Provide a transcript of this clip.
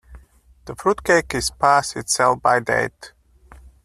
The fruit cake is past its sell-by date.